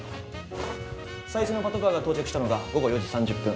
「最初のパトカーが到着したのが午後４時３０分。